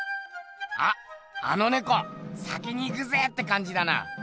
あっあの猫「先に行くぜ！」ってかんじだな。